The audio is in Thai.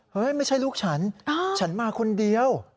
ไม่ใช่ลูกฉันฉันมาคนเดียว